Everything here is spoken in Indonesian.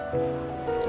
oke terima kasih